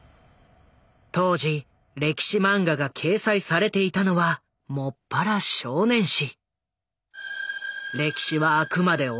当時歴史マンガが掲載されていたのは専ら少年誌。